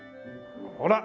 ほら！